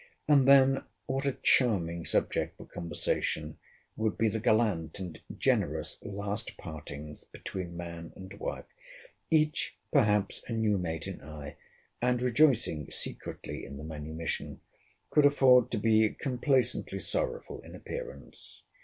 And then what a charming subject for conversation would be the gallant and generous last partings between man and wife! Each, perhaps, a new mate in eye, and rejoicing secretly in the manumission, could afford to be complaisantly sorrowful in appearance.